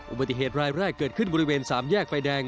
อุบัติเหตุรายแรกเกิดขึ้นบริเวณสามแยกไฟแดง